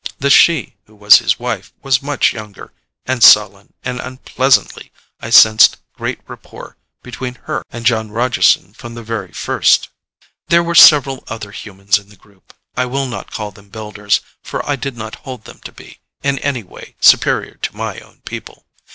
The she who was his wife was much younger, and sullen, and unpleasantly I sensed great rapport between her and Jon Rogeson from the very first. There were several other humans in the group I will not call them Builders, for I did not hold them to be, in any way, superior to my own people.